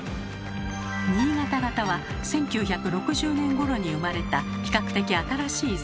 新潟型は１９６０年ごろに生まれた比較的新しいせんべい。